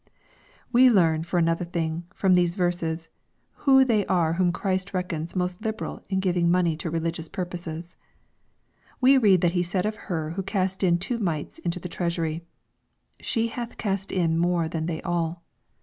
We learn, for another thing, from these verses, who they are whom Christ reckons most liber alin giving money to religioua purposes. We read that He said of her who cast in two mites into the treasury, " She hath cast in more than they all.